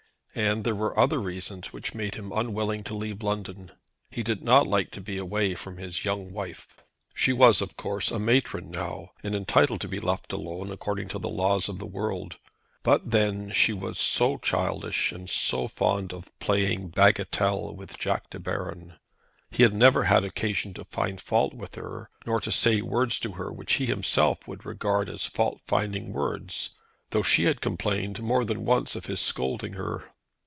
And there were other reasons which made him unwilling to leave London. He did not like to be away from his young wife. She was, of course, a matron now, and entitled to be left alone, according to the laws of the world; but then she was so childish, and so fond of playing bagatelle with Jack De Baron! He had never had occasion to find fault with her; not to say words to her which he himself would regard as fault finding words though she had complained more than once of his scolding her.